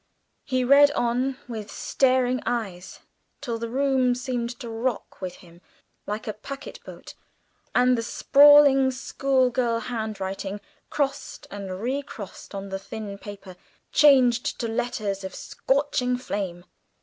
He read on with staring eyes, till the room seemed to rock with him like a packet boat and the sprawling school girl handwriting, crossed and recrossed on the thin paper, changed to letters of scorching flame.